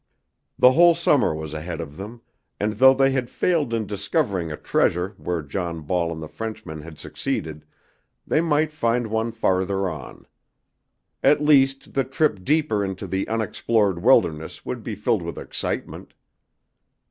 The whole summer was ahead of them, and though they had failed in discovering a treasure where John Ball and the Frenchmen had succeeded, they might find one farther on. At least the trip deeper into the unexplored wilderness would be filled with excitement.